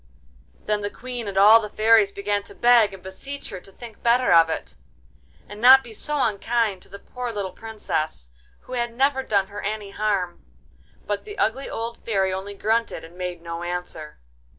Then the Queen and all the fairies began to beg and beseech her to think better of it, and not be so unkind to the poor little Princess, who had never done her any harm. But the ugly old Fairy only grunted and made no answer.